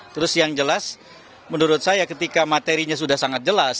terus yang jelas menurut saya ketika materinya sudah sangat jelas